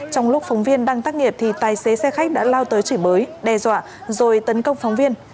trong lúc phóng viên đang tác nghiệp thì tài xế xe khách đã lao tới chỉ bới đe dọa rồi tấn công phóng viên